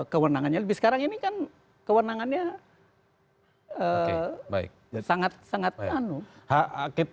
kewenangannya lebih sekarang ini kan kewenangannya sangat sangat